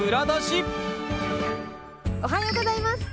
おはようございます。